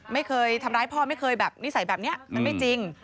ไม่เคยทำร้ายพ่อไม่เคยแบบนิสัยแบบนี้มันไม่จริง